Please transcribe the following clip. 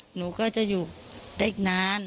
หนูก็จะอยู่ได้อีกนาน